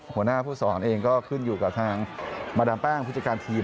หัวหน้าผู้สอนเองก็ขึ้นอยู่กับทางมาดามแป้งผู้จัดการทีม